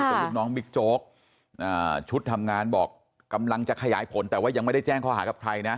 เป็นลูกน้องบิ๊กโจ๊กชุดทำงานบอกกำลังจะขยายผลแต่ว่ายังไม่ได้แจ้งข้อหากับใครนะ